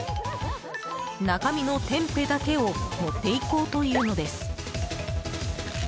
中身のテンペだけを持っていこうというのです。